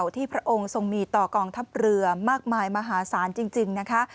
พระองค์ทรงมีต่อกองทัพเรือมากมายมหาศาลจริงนะคะ